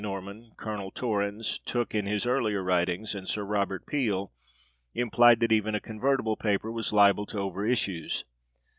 Norman, Colonel Torrens, Tooke (in his earlier writings), and Sir Robert Peel, implied that even a convertible paper was liable to over issues.